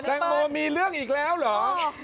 แตงโมมีเรื่องอีกแล้วเหรอ